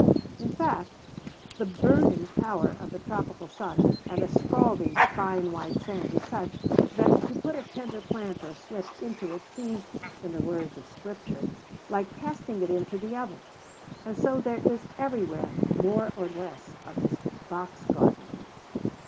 In fact, the burning power of the tropical sun, and the scalding, fine white sand, is such, that to put a tender plant or slip into it seems, in the words of Scripture, like casting it into the oven; and so there is everywhere more or less of this box gardening.